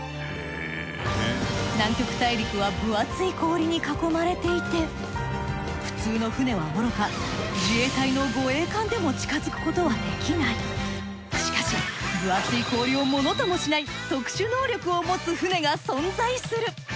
南極大陸は分厚い氷に囲まれていて普通の船はおろか自衛隊のしかし分厚い氷をものともしない特殊能力を持つ船が存在する。